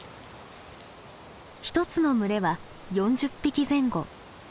１つの群れは４０匹前後。